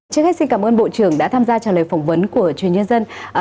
trước hết xin cảm ơn bộ trưởng đã tham gia trả lời phỏng vấn của truyền nhân dân